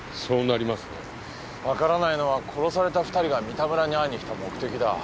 分からないのは殺された２人が三田村に会いに来た目的だ。